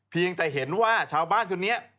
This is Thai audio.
เพียงแต่เห็นว่าชาวบ้านคนนี้